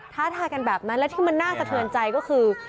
ท้าทายกันแบบนั้นและที่มันน่าสะเทือนใจก็คือ